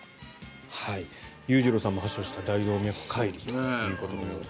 裕次郎さんも発症した大動脈解離ということです。